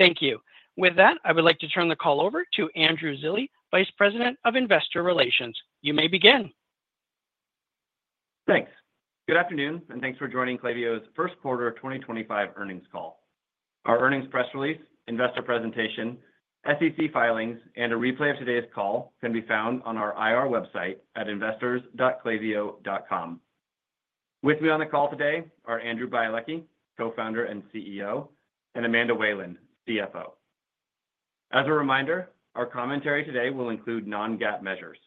Thank you. With that, I would like to turn the call over to Andrew Zilli, Vice President of Investor Relations. You may begin. Thanks. Good afternoon, and thanks for joining Klaviyo's first quarter 2025 earnings call. Our earnings press release, investor presentation, SEC filings, and a replay of today's call can be found on our IR website at investors.klaviyo.com. With me on the call today are Andrew Bialecki, Co-founder and CEO, and Amanda Whalen, CFO. As a reminder, our commentary today will include non-GAAP measures.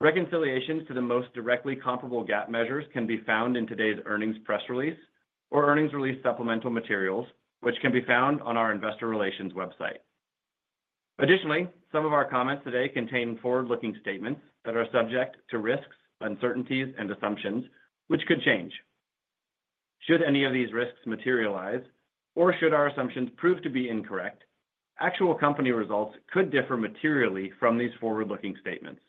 Reconciliations to the most directly comparable GAAP measures can be found in today's earnings press release or earnings release supplemental materials, which can be found on our investor relations website. Additionally, some of our comments today contain forward-looking statements that are subject to risks, uncertainties, and assumptions, which could change. Should any of these risks materialize, or should our assumptions prove to be incorrect, actual company results could differ materially from these forward-looking statements.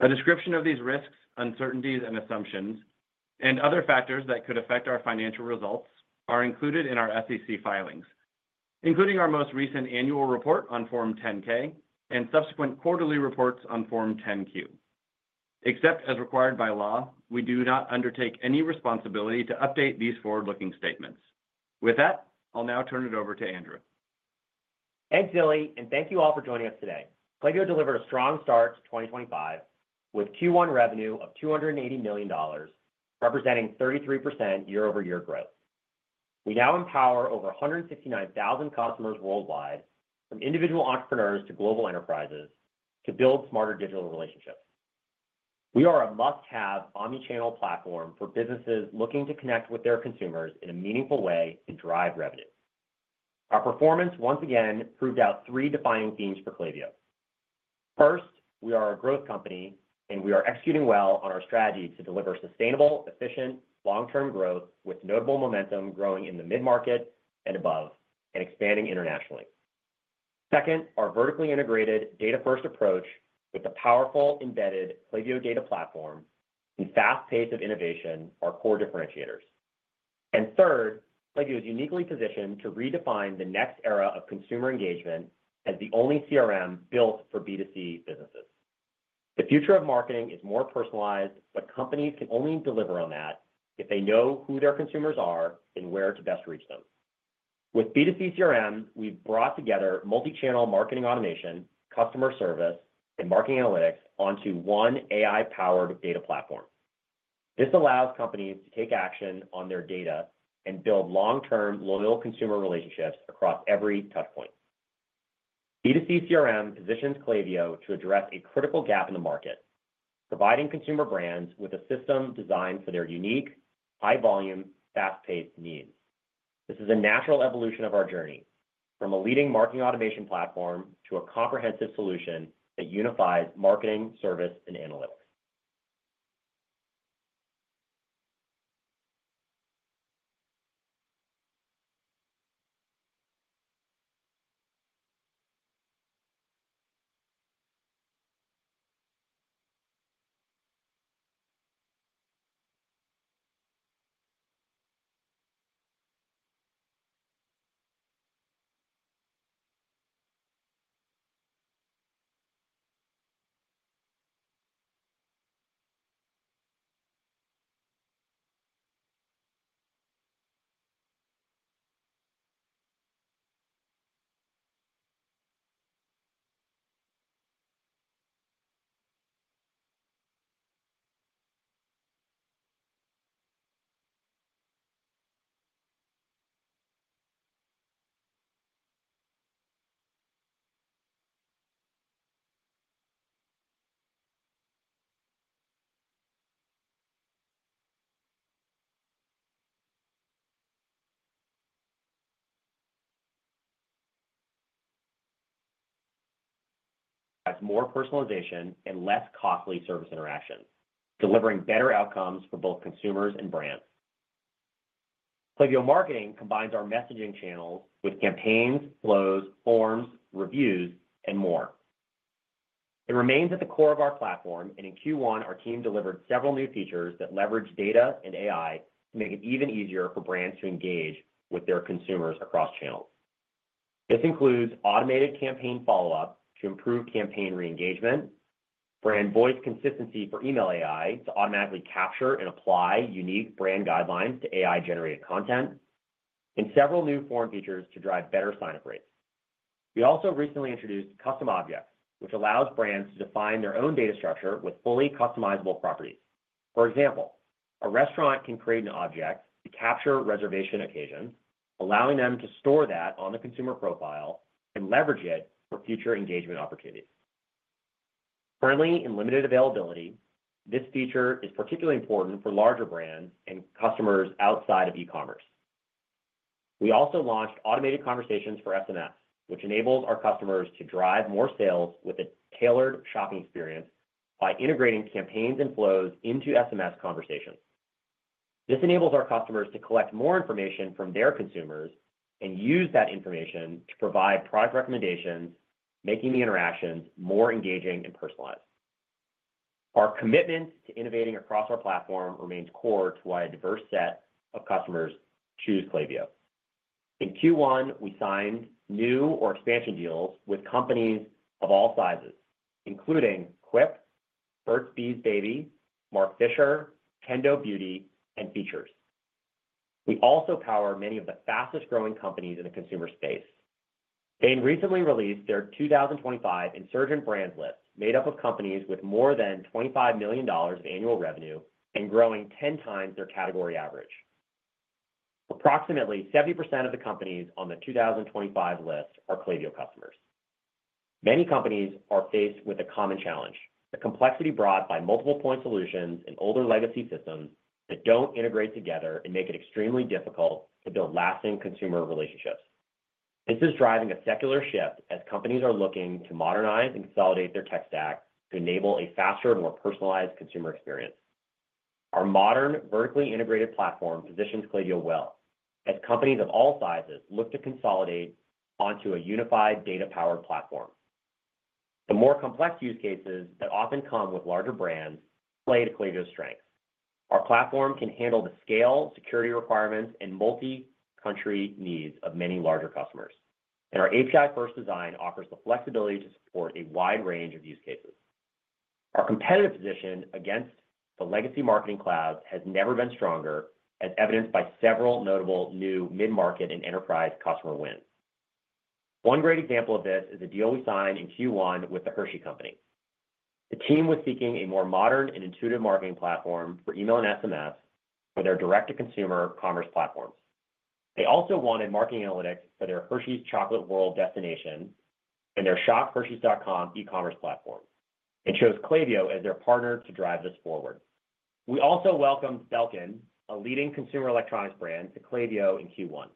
A description of these risks, uncertainties, and assumptions, and other factors that could affect our financial results are included in our SEC filings, including our most recent annual report on Form 10-K and subsequent quarterly reports on Form 10-Q. Except as required by law, we do not undertake any responsibility to update these forward-looking statements. With that, I'll now turn it over to Andrew. Thanks, Zilli, and thank you all for joining us today. Klaviyo delivered a strong start to 2025 with Q1 revenue of $280 million, representing 33% year-over-year growth. We now empower over 169,000 customers worldwide, from individual entrepreneurs to global enterprises, to build smarter digital relationships. We are a must-have omnichannel platform for businesses looking to connect with their consumers in a meaningful way and drive revenue. Our performance once again proved out three defining themes for Klaviyo. First, we are a growth company, and we are executing well on our strategy to deliver sustainable, efficient, long-term growth with notable momentum growing in the mid-market and above and expanding internationally. Second, our vertically integrated data-first approach with the powerful embedded Klaviyo Data Platform and fast pace of innovation are core differentiators. Third, Klaviyo is uniquely positioned to redefine the next era of consumer engagement as the only CRM built for B2C businesses. The future of marketing is more personalized, but companies can only deliver on that if they know who their consumers are and where to best reach them. With B2C CRM, we've brought together multichannel marketing automation, customer service, and marketing analytics onto one AI-powered data platform. This allows companies to take action on their data and build long-term loyal consumer relationships across every touchpoint. B2C CRM positions Klaviyo to address a critical gap in the market, providing consumer brands with a system designed for their unique, high-volume, fast-paced needs. This is a natural evolution of our journey from a leading marketing automation platform to a comprehensive solution that unifies marketing, service, and analytics. That's more personalization and less costly service interactions, delivering better outcomes for both consumers and brands. Klaviyo Marketing combines our messaging channels with campaigns, flows, forms, reviews, and more. It remains at the core of our platform, and in Q1, our team delivered several new features that leverage data and AI to make it even easier for brands to engage with their consumers across channels. This includes automated campaign follow-up to improve campaign re-engagement, brand voice consistency for email AI to automatically capture and apply unique brand guidelines to AI-generated content, and several new form features to drive better sign-up rates. We also recently introduced custom objects, which allows brands to define their own data structure with fully customizable properties. For example, a restaurant can create an object to capture reservation occasions, allowing them to store that on the consumer profile and leverage it for future engagement opportunities. Currently, in limited availability, this feature is particularly important for larger brands and customers outside of e-commerce. We also launched automated conversations for SMS, which enables our customers to drive more sales with a tailored shopping experience by integrating campaigns and flows into SMS conversations. This enables our customers to collect more information from their consumers and use that information to provide product recommendations, making the interactions more engaging and personalized. Our commitment to innovating across our platform remains core to why a diverse set of customers choose Klaviyo. In Q1, we signed new or expansion deals with companies of all sizes, including Quip, Burt's Bees Baby, Mark Fisher, Kendo Beauty, and Features. We also power many of the fastest-growing companies in the consumer space. Bain recently released their 2025 Insurgent Brands list, made up of companies with more than $25 million of annual revenue and growing 10 times their category average. Approximately 70% of the companies on the 2025 list are Klaviyo customers. Many companies are faced with a common challenge: the complexity brought by multiple-point solutions and older legacy systems that do not integrate together and make it extremely difficult to build lasting consumer relationships. This is driving a secular shift as companies are looking to modernize and consolidate their tech stack to enable a faster and more personalized consumer experience. Our modern vertically integrated platform positions Klaviyo well as companies of all sizes look to consolidate onto a unified data-powered platform. The more complex use cases that often come with larger brands play to Klaviyo's strengths. Our platform can handle the scale, security requirements, and multi-country needs of many larger customers, and our API-first design offers the flexibility to support a wide range of use cases. Our competitive position against the legacy marketing clouds has never been stronger, as evidenced by several notable new mid-market and enterprise customer wins. One great example of this is a deal we signed in Q1 with the Hershey Company. The team was seeking a more modern and intuitive marketing platform for email and SMS for their direct-to-consumer commerce platforms. They also wanted marketing analytics for their Hershey's Chocolate World destination and their shop, Hersheys.com e-commerce platform, and chose Klaviyo as their partner to drive this forward. We also welcomed Belkin, a leading consumer electronics brand, to Klaviyo in Q1.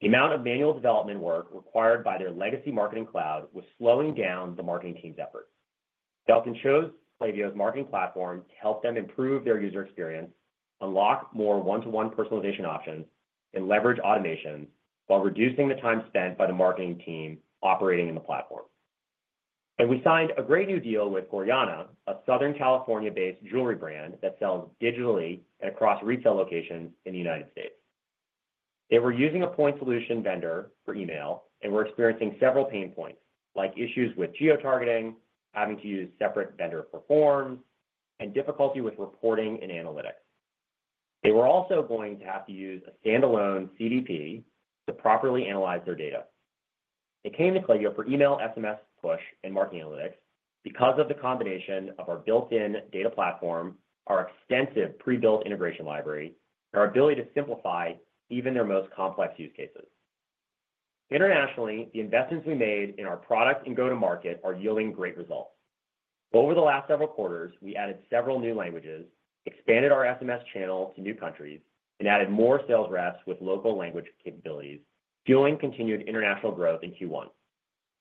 The amount of manual development work required by their legacy marketing cloud was slowing down the marketing team's efforts. Belkin chose Klaviyo's marketing platform to help them improve their user experience, unlock more one-to-one personalization options, and leverage automations while reducing the time spent by the marketing team operating in the platform. We signed a great new deal with Gorjana, a Southern California-based jewelry brand that sells digitally and across retail locations in the United States. They were using a point solution vendor for email and were experiencing several pain points, like issues with geotargeting, having to use a separate vendor for forms, and difficulty with reporting and analytics. They were also going to have to use a standalone CDP to properly analyze their data. They came to Klaviyo for email, SMS, push, and marketing analytics because of the combination of our built-in data platform, our extensive pre-built integration library, and our ability to simplify even their most complex use cases. Internationally, the investments we made in our product and go-to-market are yielding great results. Over the last several quarters, we added several new languages, expanded our SMS channel to new countries, and added more sales reps with local language capabilities, fueling continued international growth in Q1.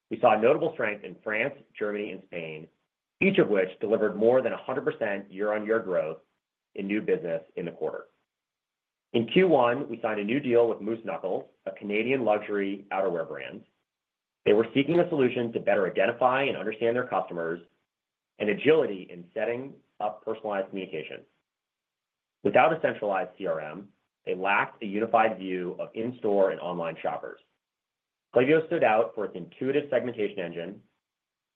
We saw notable strength in France, Germany, and Spain, each of which delivered more than 100% year-on-year growth in new business in the quarter. In Q1, we signed a new deal with Moose Knuckles, a Canadian luxury outerwear brand. They were seeking a solution to better identify and understand their customers and agility in setting up personalized communications. Without a centralized CRM, they lacked a unified view of in-store and online shoppers. Klaviyo stood out for its intuitive segmentation engine,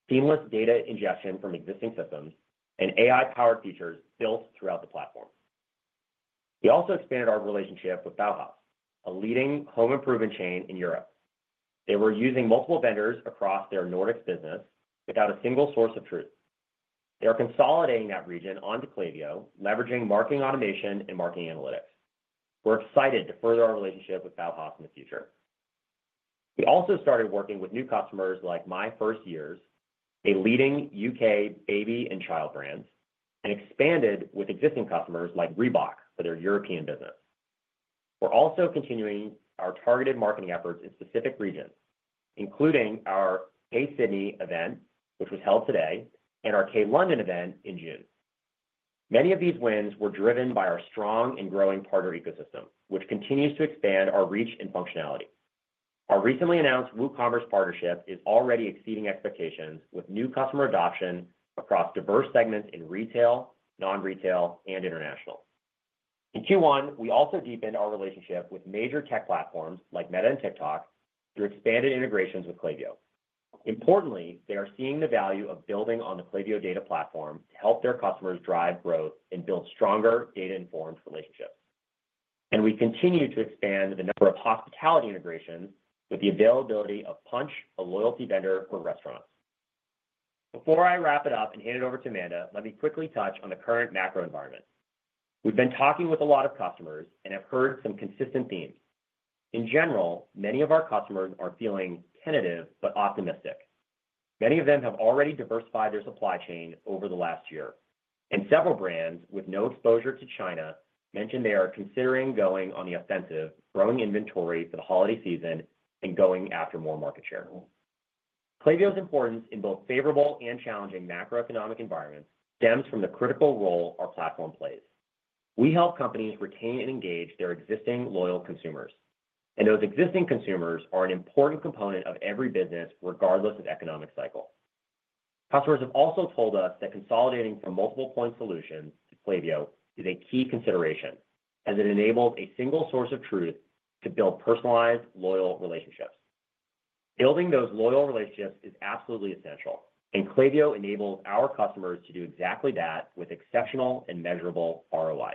seamless data ingestion from existing systems, and AI-powered features built throughout the platform. We also expanded our relationship with BAUHAUS, a leading home-improvement chain in Europe. They were using multiple vendors across their Nordics business without a single source of truth. They are consolidating that region onto Klaviyo, leveraging marketing automation and marketing analytics. We're excited to further our relationship with BAUHAUS in the future. We also started working with new customers like My 1st Years, a leading U.K. baby and child brand, and expanded with existing customers like Reebok for their European business. We're also continuing our targeted marketing efforts in specific regions, including our K-Sydney event, which was held today, and our K-London event in June. Many of these wins were driven by our strong and growing partner ecosystem, which continues to expand our reach and functionality. Our recently announced WooCommerce partnership is already exceeding expectations, with new customer adoption across diverse segments in retail, non-retail, and international. In Q1, we also deepened our relationship with major tech platforms like Meta and TikTok through expanded integrations with Klaviyo. Importantly, they are seeing the value of building on the Klaviyo Data Platform to help their customers drive growth and build stronger data-informed relationships. We continue to expand the number of hospitality integrations with the availability of Punchh, a loyalty vendor for restaurants. Before I wrap it up and hand it over to Amanda, let me quickly touch on the current macro environment. We've been talking with a lot of customers and have heard some consistent themes. In general, many of our customers are feeling tentative but optimistic. Many of them have already diversified their supply chain over the last year, and several brands with no exposure to China mentioned they are considering going on the offensive, growing inventory for the holiday season and going after more market share. Klaviyo's importance in both favorable and challenging macroeconomic environments stems from the critical role our platform plays. We help companies retain and engage their existing loyal consumers, and those existing consumers are an important component of every business, regardless of economic cycle. Customers have also told us that consolidating from multiple-point solutions to Klaviyo is a key consideration, as it enables a single source of truth to build personalized, loyal relationships. Building those loyal relationships is absolutely essential, and Klaviyo enables our customers to do exactly that with exceptional and measurable ROI.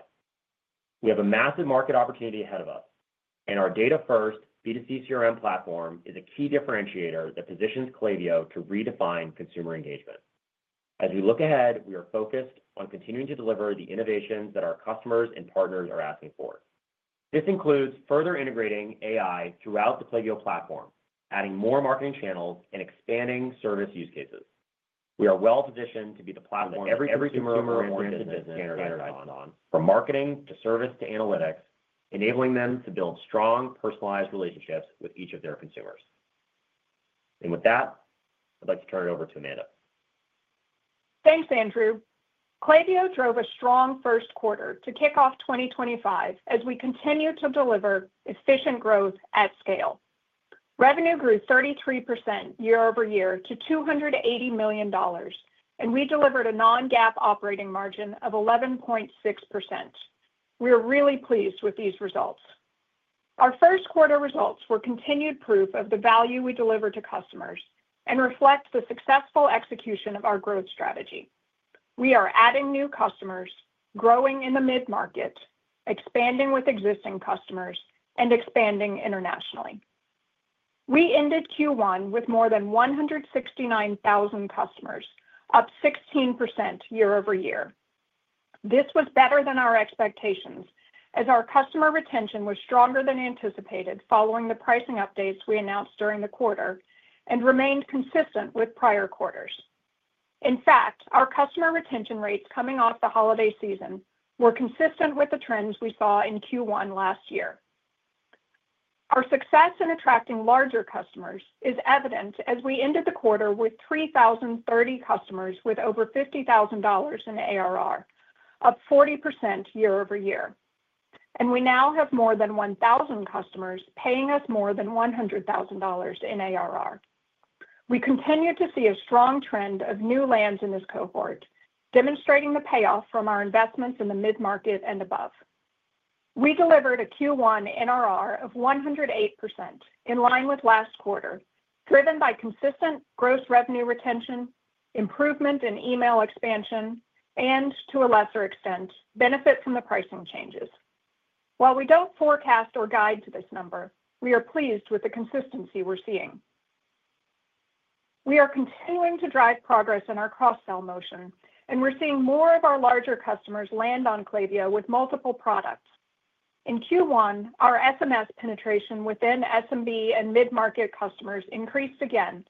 We have a massive market opportunity ahead of us, and our data-first B2C CRM platform is a key differentiator that positions Klaviyo to redefine consumer engagement. As we look ahead, we are focused on continuing to deliver the innovations that our customers and partners are asking for. This includes further integrating AI throughout the Klaviyo platform, adding more marketing channels, and expanding service use cases. We are well-positioned to be the platform every consumer wants to stand or dive on, from marketing to service to analytics, enabling them to build strong, personalized relationships with each of their consumers. I would like to turn it over to Amanda. Thanks, Andrew. Klaviyo drove a strong first quarter to kick off 2025 as we continue to deliver efficient growth at scale. Revenue grew 33% year-over-year to $280 million, and we delivered a non-GAAP operating margin of 11.6%. We are really pleased with these results. Our first quarter results were continued proof of the value we deliver to customers and reflect the successful execution of our growth strategy. We are adding new customers, growing in the mid-market, expanding with existing customers, and expanding internationally. We ended Q1 with more than 169,000 customers, up 16% year-over-year. This was better than our expectations, as our customer retention was stronger than anticipated following the pricing updates we announced during the quarter and remained consistent with prior quarters. In fact, our customer retention rates coming off the holiday season were consistent with the trends we saw in Q1 last year. Our success in attracting larger customers is evident as we ended the quarter with 3,030 customers with over $50,000 in ARR, up 40% year-over-year, and we now have more than 1,000 customers paying us more than $100,000 in ARR. We continue to see a strong trend of new lands in this cohort, demonstrating the payoff from our investments in the mid-market and above. We delivered a Q1 NRR of 108% in line with last quarter, driven by consistent gross revenue retention, improvement in email expansion, and, to a lesser extent, benefit from the pricing changes. While we do not forecast or guide to this number, we are pleased with the consistency we are seeing. We are continuing to drive progress in our cross-sell motion, and we are seeing more of our larger customers land on Klaviyo with multiple products. In Q1, our SMS penetration within SMB and mid-market customers increased again.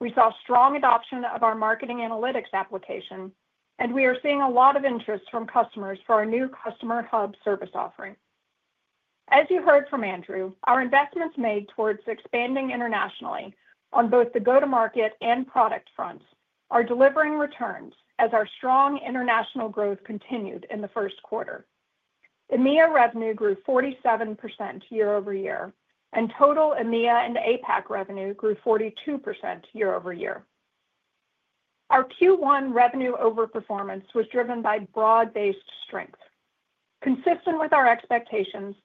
We saw strong adoption of our marketing analytics application, and we are seeing a lot of interest from customers for our new Customer Hub service offering. As you heard from Andrew, our investments made towards expanding internationally on both the go-to-market and product fronts are delivering returns as our strong international growth continued in the first quarter. EMEA revenue grew 47% year-over-year, and total EMEA and APAC revenue grew 42% year-over-year. Our Q1 revenue overperformance was driven by broad-based strength. Consistent with our expectations,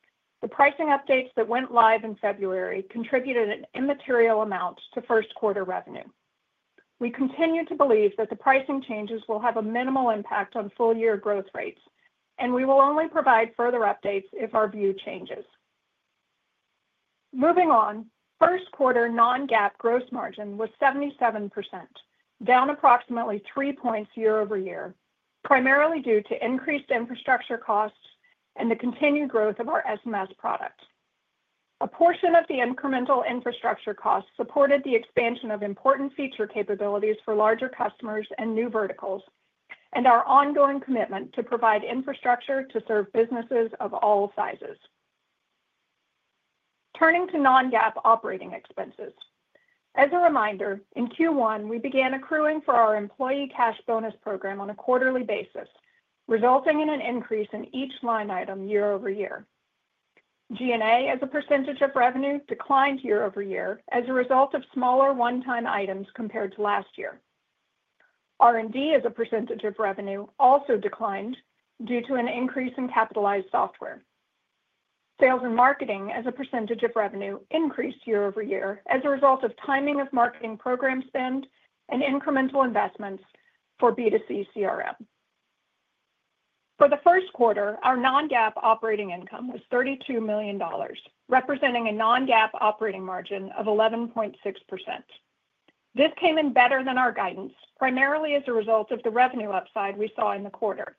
the pricing updates that went live in February contributed an immaterial amount to first-quarter revenue. We continue to believe that the pricing changes will have a minimal impact on full-year growth rates, and we will only provide further updates if our view changes. Moving on, first-quarter non-GAAP gross margin was 77%, down approximately 3 percentage points year-over-year, primarily due to increased infrastructure costs and the continued growth of our SMS product. A portion of the incremental infrastructure costs supported the expansion of important feature capabilities for larger customers and new verticals, and our ongoing commitment to provide infrastructure to serve businesses of all sizes. Turning to non-GAAP operating expenses. As a reminder, in Q1, we began accruing for our employee cash bonus program on a quarterly basis, resulting in an increase in each line item year-over-year. G&A, as a percentage of revenue, declined year-over-year as a result of smaller one-time items compared to last year. R&D, as a percentage of revenue, also declined due to an increase in capitalized software. Sales and marketing, as a percentage of revenue, increased year-over-year as a result of timing of marketing program spend and incremental investments for B2C CRM. For the first quarter, our non-GAAP operating income was $32 million, representing a non-GAAP operating margin of 11.6%. This came in better than our guidance, primarily as a result of the revenue upside we saw in the quarter.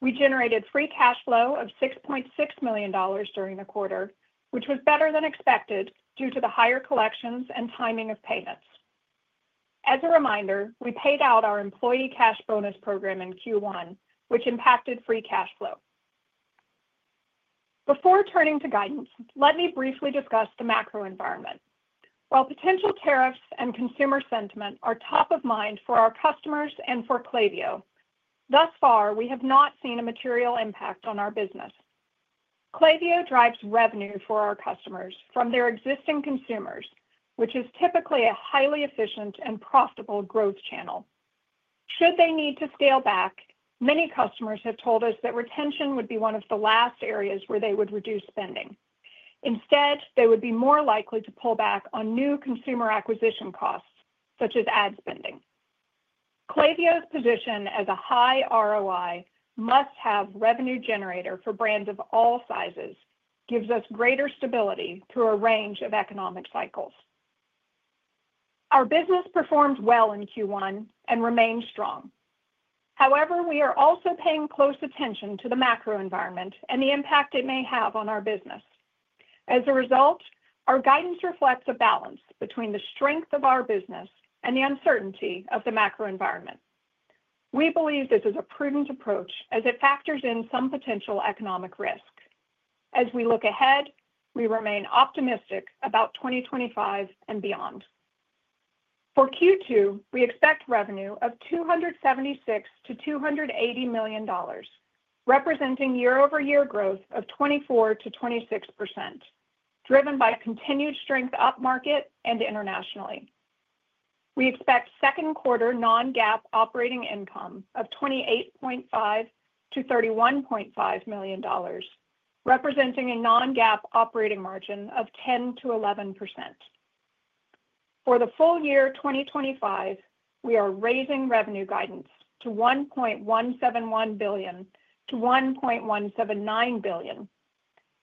We generated free cash flow of $6.6 million during the quarter, which was better than expected due to the higher collections and timing of payments. As a reminder, we paid out our employee cash bonus program in Q1, which impacted free cash flow. Before turning to guidance, let me briefly discuss the macro environment. While potential tariffs and consumer sentiment are top of mind for our customers and for Klaviyo, thus far, we have not seen a material impact on our business. Klaviyo drives revenue for our customers from their existing consumers, which is typically a highly efficient and profitable growth channel. Should they need to scale back, many customers have told us that retention would be one of the last areas where they would reduce spending. Instead, they would be more likely to pull back on new consumer acquisition costs, such as ad spending. Klaviyo's position as a high ROI must-have revenue generator for brands of all sizes gives us greater stability through a range of economic cycles. Our business performed well in Q1 and remained strong. However, we are also paying close attention to the macro environment and the impact it may have on our business. As a result, our guidance reflects a balance between the strength of our business and the uncertainty of the macro environment. We believe this is a prudent approach as it factors in some potential economic risk. As we look ahead, we remain optimistic about 2025 and beyond. For Q2, we expect revenue of $276 million-$280 million, representing year-over-year growth of 24%-26%, driven by continued strength up market and internationally. We expect second-quarter non-GAAP operating income of $28.5 million-$31.5 million, representing a non-GAAP operating margin of 10%-11%. For the full year 2025, we are raising revenue guidance to $1.171 billion-$1.179 billion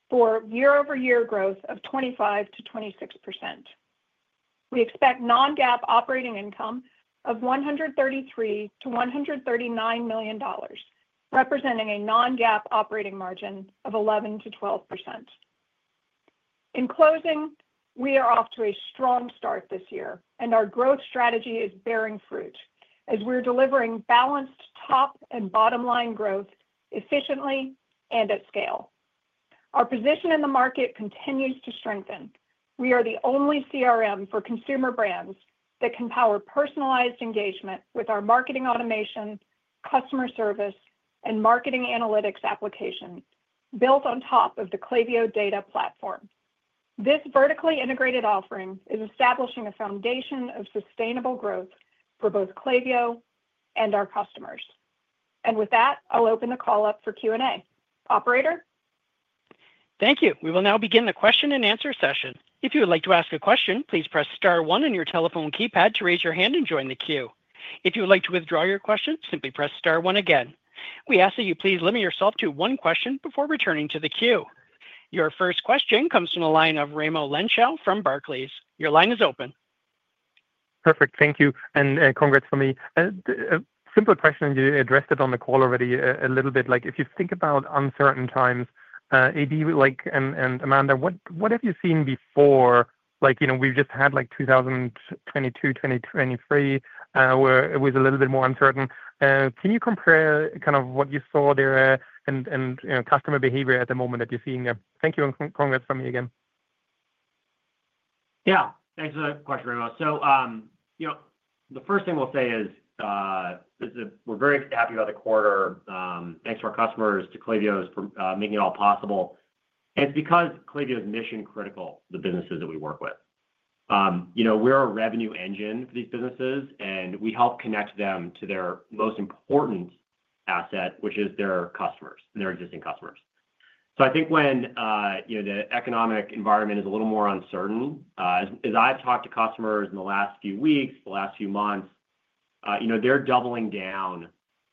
for year-over-year growth of 25%-26%. We expect non-GAAP operating income of $133 million-$139 million, representing a non-GAAP operating margin of 11%-12%. In closing, we are off to a strong start this year, and our growth strategy is bearing fruit as we're delivering balanced top and bottom line growth efficiently and at scale. Our position in the market continues to strengthen. We are the only CRM for consumer brands that can power personalized engagement with our marketing automation, customer service, and marketing analytics applications built on top of the Klaviyo Data Platform. This vertically integrated offering is establishing a foundation of sustainable growth for both Klaviyo and our customers. With that, I'll open the call up for Q&A. Operator? Thank you. We will now begin the question and answer session. If you would like to ask a question, please press star one on your telephone keypad to raise your hand and join the queue. If you would like to withdraw your question, simply press star one again. We ask that you please limit yourself to one question before returning to the queue. Your first question comes from the line of Raimo Lenschow from Barclays. Your line is open. Perfect. Thank you. And congrats from me. Simple question. You addressed it on the call already a little bit. If you think about uncertain times, AB and Amanda, what have you seen before? We have just had 2022, 2023, where it was a little bit more uncertain. Can you compare kind of what you saw there and customer behavior at the moment that you are seeing there? Thank you. And congrats from me again. Yeah. Thanks for the question, Raimo. The first thing we'll say is we're very happy about the quarter. Thanks to our customers, to Klaviyo for making it all possible. It's because Klaviyo's mission-critical to the businesses that we work with. We're a revenue engine for these businesses, and we help connect them to their most important asset, which is their customers and their existing customers. I think when the economic environment is a little more uncertain, as I've talked to customers in the last few weeks, the last few months, they're doubling down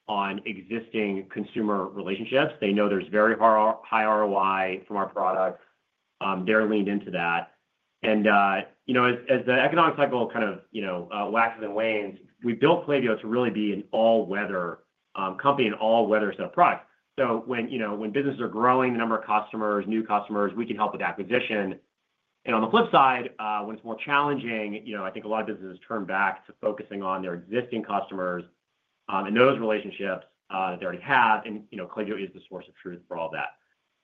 on existing consumer relationships. They know there's very high ROI from our products. They're leaned into that. As the economic cycle kind of waxes and wanes, we built Klaviyo to really be an all-weather company, an all-weather set of products. When businesses are growing, the number of customers, new customers, we can help with acquisition. On the flip side, when it's more challenging, I think a lot of businesses turn back to focusing on their existing customers and those relationships that they already have. Klaviyo is the source of truth for all that.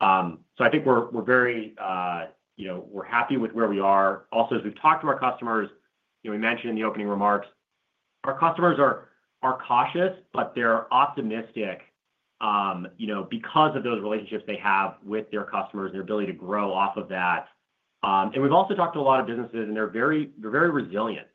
I think we're very happy with where we are. Also, as we've talked to our customers, we mentioned in the opening remarks, our customers are cautious, but they're optimistic because of those relationships they have with their customers and their ability to grow off of that. We've also talked to a lot of businesses, and they're very resilient.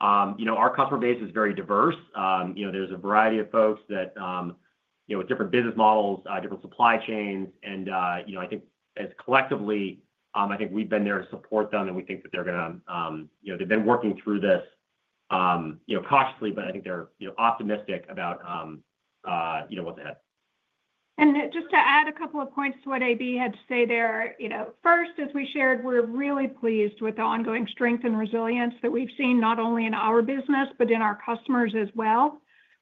Our customer base is very diverse. There's a variety of folks with different business models, different supply chains. I think as collectively, I think we've been there to support them, and we think that they're going to they've been working through this cautiously, but I think they're optimistic about what's ahead. Just to add a couple of points to what AB had to say there. First, as we shared, we're really pleased with the ongoing strength and resilience that we've seen not only in our business, but in our customers as well.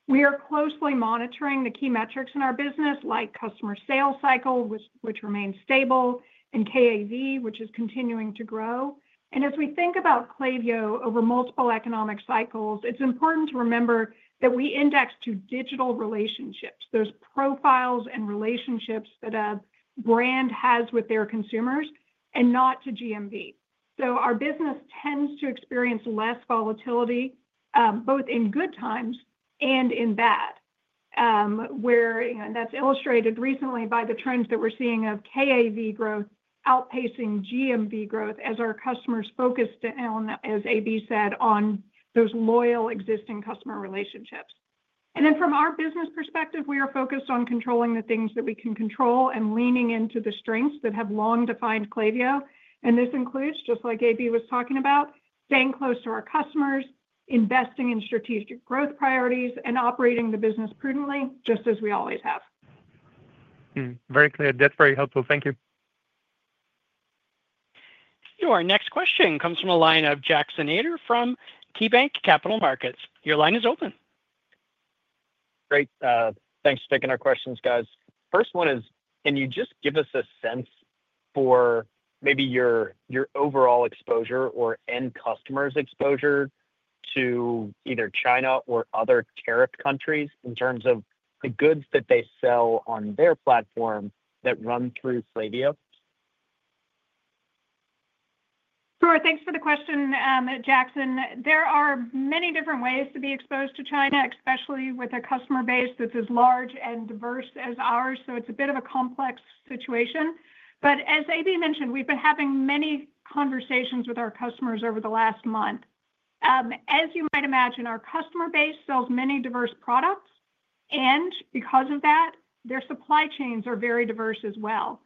We are closely monitoring the key metrics in our business, like customer sales cycle, which remains stable, and KAV, which is continuing to grow. As we think about Klaviyo over multiple economic cycles, it's important to remember that we index to digital relationships, those profiles and relationships that a brand has with their consumers, and not to GMV. Our business tends to experience less volatility, both in good times and in bad, and that's illustrated recently by the trends that we're seeing of KAV growth outpacing GMV growth as our customers focused, as AB said, on those loyal existing customer relationships. From our business perspective, we are focused on controlling the things that we can control and leaning into the strengths that have long defined Klaviyo. This includes, just like AB was talking about, staying close to our customers, investing in strategic growth priorities, and operating the business prudently, just as we always have. Very clear. That's very helpful. Thank you. Our next question comes from a line of Jackson Ader from KeyBanc Capital Markets. Your line is open. Great. Thanks for taking our questions, guys. First one is, can you just give us a sense for maybe your overall exposure or end customers' exposure to either China or other tariff countries in terms of the goods that they sell on their platform that run through Klaviyo? Sure. Thanks for the question, Jackson. There are many different ways to be exposed to China, especially with a customer base that's as large and diverse as ours. It is a bit of a complex situation. As AB mentioned, we've been having many conversations with our customers over the last month. As you might imagine, our customer base sells many diverse products, and because of that, their supply chains are very diverse as well.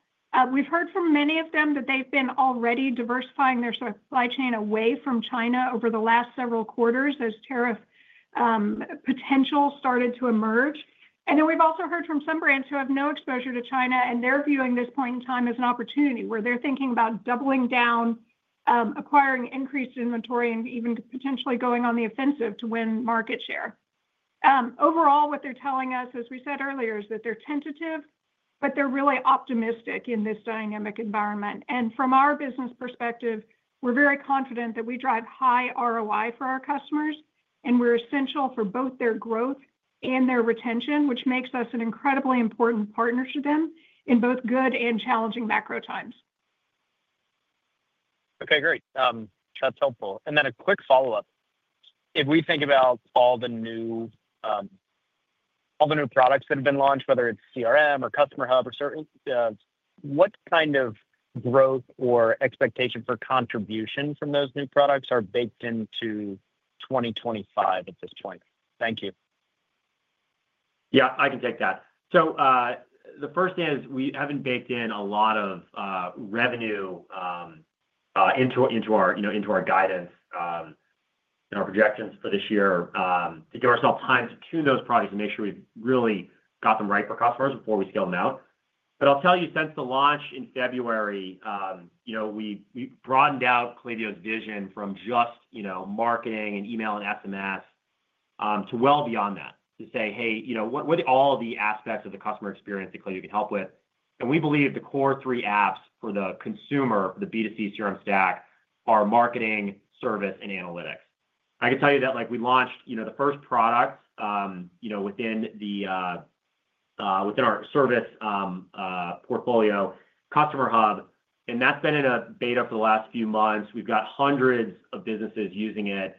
We've heard from many of them that they've been already diversifying their supply chain away from China over the last several quarters as tariff potential started to emerge. We have also heard from some brands who have no exposure to China, and they are viewing this point in time as an opportunity where they are thinking about doubling down, acquiring increased inventory, and even potentially going on the offensive to win market share. Overall, what they are telling us, as we said earlier, is that they are tentative, but they are really optimistic in this dynamic environment. From our business perspective, we are very confident that we drive high ROI for our customers, and we are essential for both their growth and their retention, which makes us an incredibly important partner to them in both good and challenging macro times. Okay. Great. That is helpful. A quick follow-up. If we think about all the new products that have been launched, whether it's CRM or Customer Hub or certain, what kind of growth or expectation for contribution from those new products are baked into 2025 at this point? Thank you. Yeah. I can take that. The first thing is we haven't baked in a lot of revenue into our guidance and our projections for this year to give ourselves time to tune those products and make sure we've really got them right for customers before we scale them out. I'll tell you, since the launch in February, we broadened out Klaviyo's vision from just marketing and email and SMS to well beyond that, to say, "Hey, what are all the aspects of the customer experience that Klaviyo can help with?" We believe the core three apps for the consumer, for the B2C CRM stack, are marketing, service, and analytics. I can tell you that we launched the first product within our service portfolio, Customer Hub, and that's been in a beta for the last few months. We've got hundreds of businesses using it.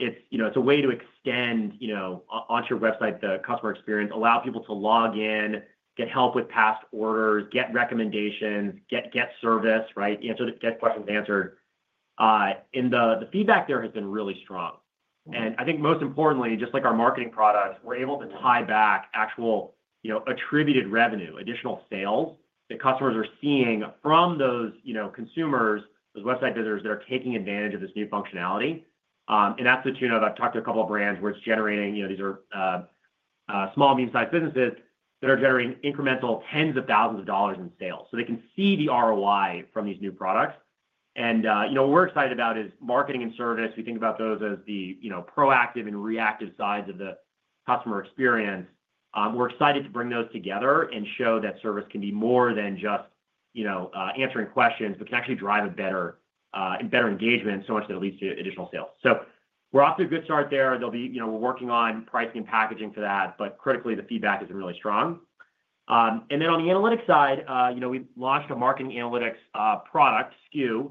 It's a way to extend onto your website the customer experience, allow people to log in, get help with past orders, get recommendations, get service, get questions answered. The feedback there has been really strong. I think most importantly, just like our marketing products, we're able to tie back actual attributed revenue, additional sales that customers are seeing from those consumers, those website visitors that are taking advantage of this new functionality. That's the tune of I've talked to a couple of brands where it's generating, these are small, medium-sized businesses that are generating incremental tens of thousands of dollars in sales. They can see the ROI from these new products. What we're excited about is marketing and service. We think about those as the proactive and reactive sides of the customer experience. We're excited to bring those together and show that service can be more than just answering questions, but can actually drive a better engagement so much that it leads to additional sales. We're off to a good start there. We're working on pricing and packaging for that, but critically, the feedback has been really strong. On the analytics side, we launched a marketing analytics product, SKU,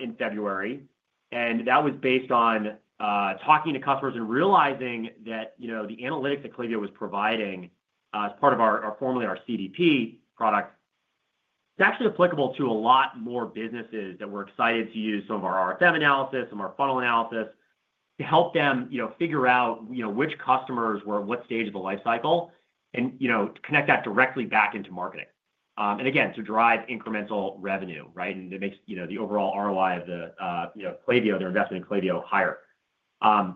in February. That was based on talking to customers and realizing that the analytics that Klaviyo was providing as part of our formerly our CDP product, it's actually applicable to a lot more businesses that were excited to use some of our RFM analysis, some of our funnel analysis to help them figure out which customers were at what stage of the life cycle and connect that directly back into marketing. Again, to drive incremental revenue, right, and it makes the overall ROI of the Klaviyo, their investment in Klaviyo, higher.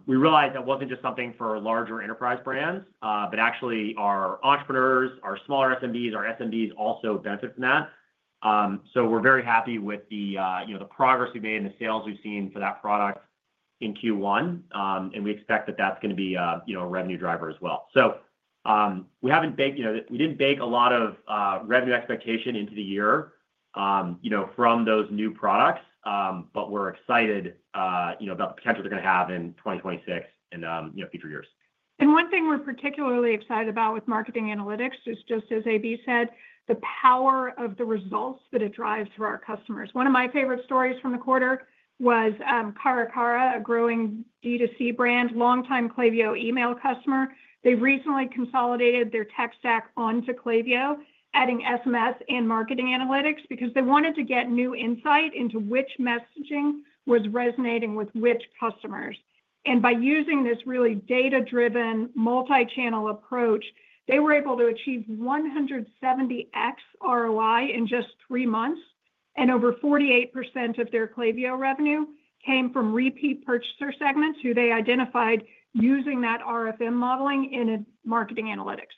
We realized that wasn't just something for larger enterprise brands, but actually our entrepreneurs, our smaller SMBs, our SMBs also benefit from that. We are very happy with the progress we have made and the sales we have seen for that product in Q1. We expect that is going to be a revenue driver as well. We did not bake a lot of revenue expectation into the year from those new products, but we are excited about the potential they are going to have in 2026 and future years. One thing we are particularly excited about with marketing analytics is, just as AB said, the power of the results that it drives for our customers. One of my favorite stories from the quarter was Cara Cara, a growing B2C brand, longtime Klaviyo email customer. They recently consolidated their tech stack onto Klaviyo, adding SMS and marketing analytics because they wanted to get new insight into which messaging was resonating with which customers. By using this really data-driven multi-channel approach, they were able to achieve 170x ROI in just three months. Over 48% of their Klaviyo revenue came from repeat purchaser segments who they identified using that RFM modeling in marketing analytics.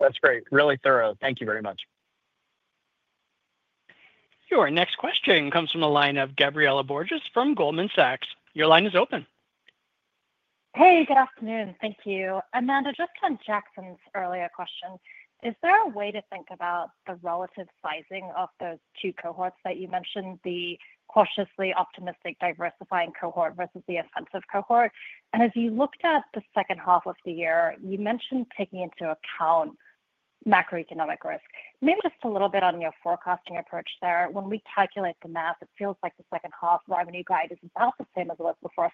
That's great. Really thorough. Thank you very much. Your next question comes from the line of Gabriela Borges from Goldman Sachs. Your line is open. Hey, good afternoon. Thank you. Amanda, just on Jackson's earlier question, is there a way to think about the relative sizing of those two cohorts that you mentioned, the cautiously optimistic diversifying cohort versus the offensive cohort? As you looked at the second half of the year, you mentioned taking into account macroeconomic risk. Maybe just a little bit on your forecasting approach there. When we calculate the math, it feels like the second half revenue guide is about the same as it was before.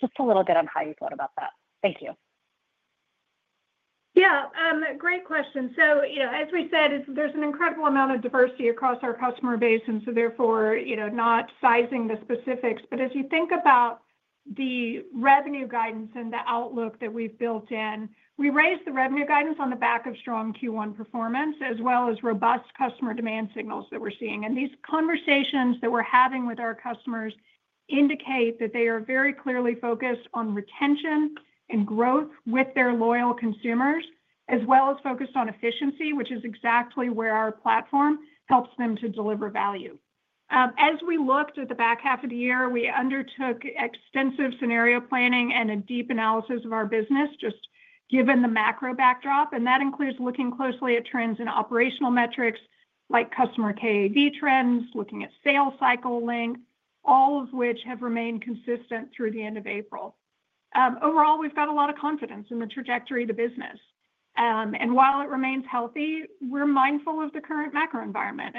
Just a little bit on how you thought about that. Thank you. Yeah. Great question. As we said, there is an incredible amount of diversity across our customer base, and therefore, not sizing the specifics. As you think about the revenue guidance and the outlook that we have built in, we raised the revenue guidance on the back of strong Q1 performance as well as robust customer demand signals that we are seeing. These conversations that we are having with our customers indicate that they are very clearly focused on retention and growth with their loyal consumers, as well as focused on efficiency, which is exactly where our platform helps them to deliver value. As we looked at the back half of the year, we undertook extensive scenario planning and a deep analysis of our business, just given the macro backdrop. That includes looking closely at trends in operational metrics like customer KAV trends, looking at sales cycle length, all of which have remained consistent through the end of April. Overall, we've got a lot of confidence in the trajectory of the business. While it remains healthy, we're mindful of the current macro environment.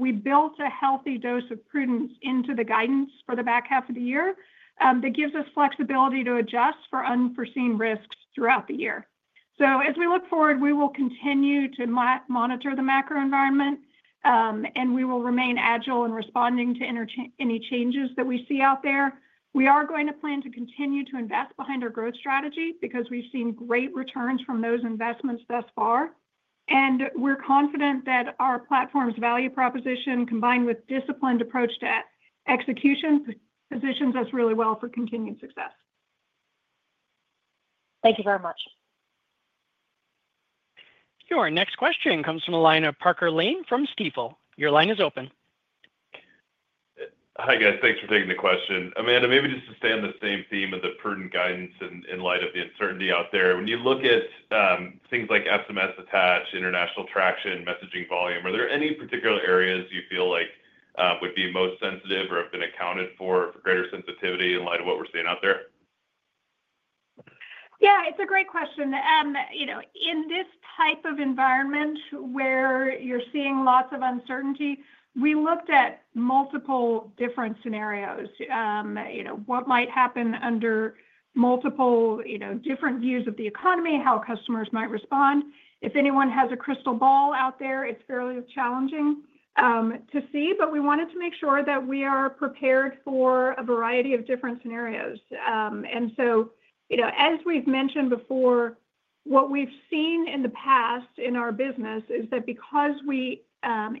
We built a healthy dose of prudence into the guidance for the back half of the year that gives us flexibility to adjust for unforeseen risks throughout the year. As we look forward, we will continue to monitor the macro environment, and we will remain agile in responding to any changes that we see out there. We are going to plan to continue to invest behind our growth strategy because we've seen great returns from those investments thus far. We're confident that our platform's value proposition, combined with disciplined approach to execution, positions us really well for continued success. Thank you very much. Your next question comes from a line of Parker Lane from Stifel. Your line is open. Hi, guys. Thanks for taking the question. Amanda, maybe just to stay on the same theme of the prudent guidance in light of the uncertainty out there. When you look at things like SMS attach, international traction, messaging volume, are there any particular areas you feel like would be most sensitive or have been accounted for for greater sensitivity in light of what we're seeing out there? Yeah. It's a great question. In this type of environment where you're seeing lots of uncertainty, we looked at multiple different scenarios. What might happen under multiple different views of the economy, how customers might respond. If anyone has a crystal ball out there, it's fairly challenging to see. We wanted to make sure that we are prepared for a variety of different scenarios. As we've mentioned before, what we've seen in the past in our business is that because we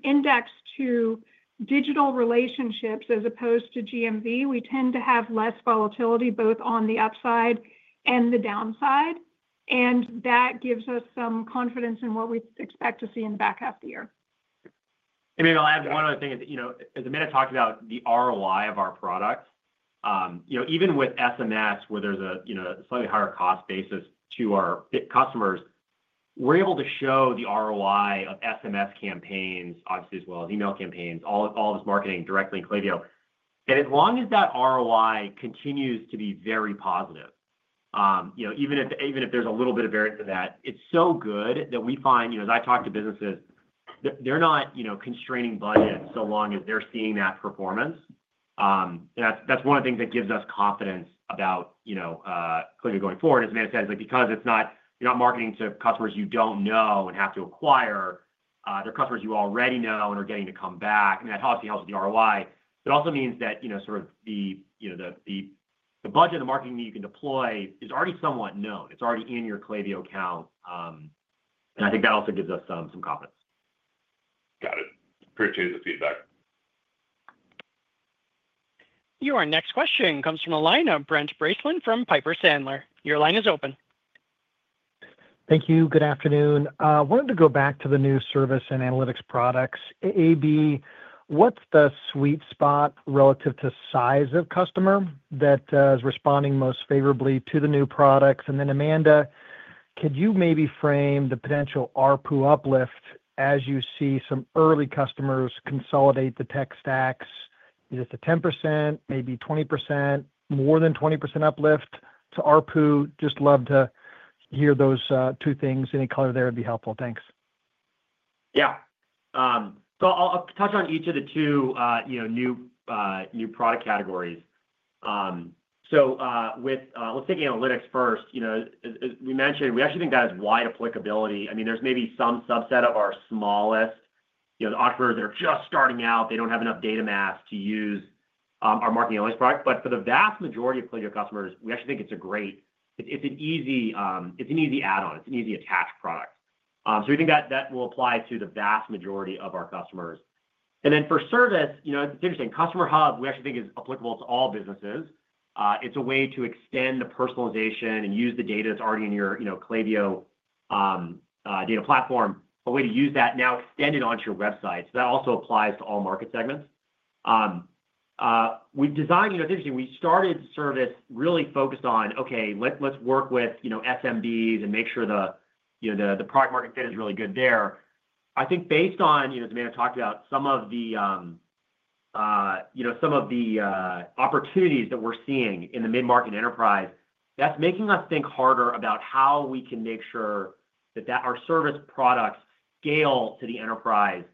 index to digital relationships as opposed to GMV, we tend to have less volatility both on the upside and the downside. That gives us some confidence in what we expect to see in the back half of the year. Maybe I'll add one other thing. As Amanda talked about the ROI of our products, even with SMS, where there is a slightly higher cost basis to our customers, we are able to show the ROI of SMS campaigns, obviously, as well as email campaigns, all this marketing directly in Klaviyo. As long as that ROI continues to be very positive, even if there is a little bit of variance in that, it is so good that we find, as I talk to businesses, they are not constraining budgets so long as they are seeing that performance. That is one of the things that gives us confidence about Klaviyo going forward. As Amanda said, because you are not marketing to customers you do not know and have to acquire, they are customers you already know and are getting to come back. That obviously helps with the ROI. It also means that sort of the budget and the marketing that you can deploy is already somewhat known. It's already in your Klaviyo account. And I think that also gives us some confidence. Got it. Appreciate the feedback. Your next question comes from a line of Brent Bracelin from Piper Sandler. Your line is open. Thank you. Good afternoon. I wanted to go back to the new service and analytics products. AB, what's the sweet spot relative to size of customer that is responding most favorably to the new products? And then, Amanda, could you maybe frame the potential RPU uplift as you see some early customers consolidate the tech stacks? Is it the 10%, maybe 20%, more than 20% uplift to RPU? Just love to hear those two things. Any color there would be helpful. Thanks. Yeah. So I'll touch on each of the two new product categories. Let's take analytics first. We mentioned we actually think that has wide applicability. I mean, there's maybe some subset of our smallest entrepreneurs that are just starting out. They don't have enough data mass to use our marketing analytics product. For the vast majority of Klaviyo customers, we actually think it's a great, it's an easy add-on. It's an easy attach product. We think that will apply to the vast majority of our customers. For service, it's interesting. Customer Hub, we actually think, is applicable to all businesses. It's a way to extend the personalization and use the data that's already in your Klaviyo Data Platform, a way to use that now extended onto your website. That also applies to all market segments. We've designed, it's interesting. We started service really focused on, "Okay, let's work with SMBs and make sure the product market fit is really good there." I think based on, as Amanda talked about, some of the opportunities that we're seeing in the mid-market enterprise, that's making us think harder about how we can make sure that our service products scale to the enterprise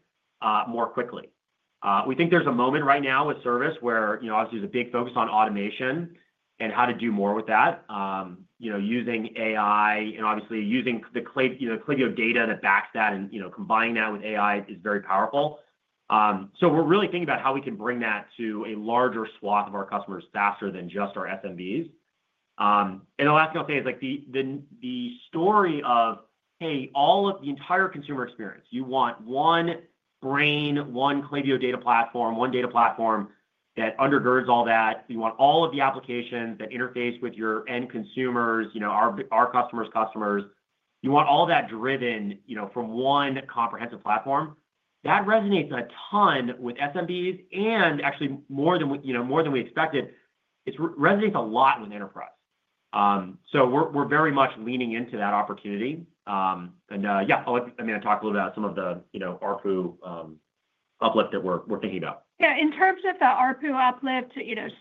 more quickly. We think there's a moment right now with service where obviously there's a big focus on automation and how to do more with that, using AI and obviously using the Klaviyo data that backs that and combining that with AI is very powerful. We are really thinking about how we can bring that to a larger swath of our customers faster than just our SMBs. The last thing I'll say is the story of, "Hey, all of the entire consumer experience, you want one brain, one Klaviyo Data Platform, one data platform that undergirds all that. You want all of the applications that interface with your end consumers, our customers' customers. You want all that driven from one comprehensive platform." That resonates a ton with SMBs and actually more than we expected. It resonates a lot with enterprise. We are very much leaning into that opportunity. Yeah, I mean, I talked a little bit about some of the RPU uplift that we're thinking about. Yeah. In terms of the RPU uplift,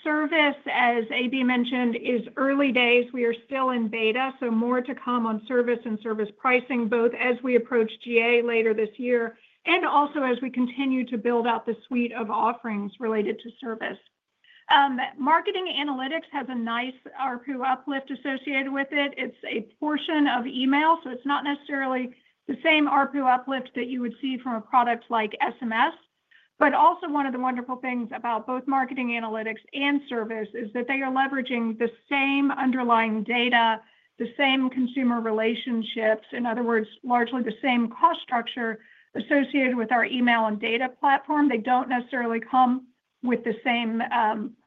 service as AB mentioned is early days. We are still in beta, so more to come on service and service pricing, both as we approach GA later this year and also as we continue to build out the suite of offerings related to service. Marketing analytics has a nice RPU uplift associated with it. It's a portion of email. It's not necessarily the same RPU uplift that you would see from a product like SMS. One of the wonderful things about both marketing analytics and service is that they are leveraging the same underlying data, the same consumer relationships. In other words, largely the same cost structure associated with our email and data platform. They don't necessarily come with the same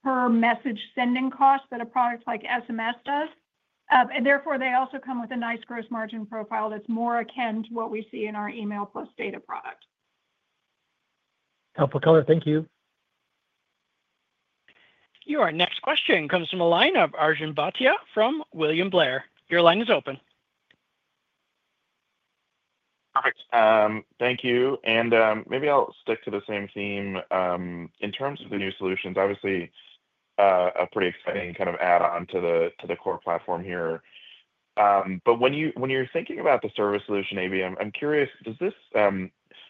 per message sending cost that a product like SMS does. Therefore, they also come with a nice gross margin profile that's more akin to what we see in our email plus data product. Helpful color. Thank you. Your next question comes from a line of Arjun Bhatia from William Blair. Your line is open. Perfect. Thank you. Maybe I'll stick to the same theme. In terms of the new solutions, obviously a pretty exciting kind of add-on to the core platform here. When you're thinking about the service solution, AB, I'm curious,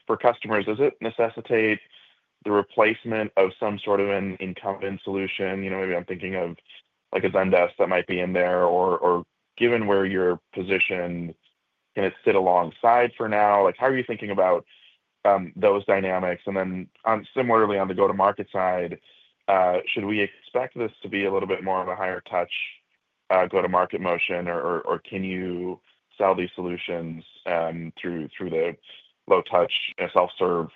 for customers, does it necessitate the replacement of some sort of an incumbent solution? Maybe I'm thinking of a Zendesk that might be in there. Or given where you're positioned, can it sit alongside for now? How are you thinking about those dynamics? Then similarly, on the go-to-market side, should we expect this to be a little bit more of a higher touch go-to-market motion, or can you sell these solutions through the low touch self-serve